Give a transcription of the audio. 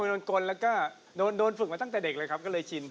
โดนกลแล้วก็โดนฝึกมาตั้งแต่เด็กเลยครับก็เลยชิน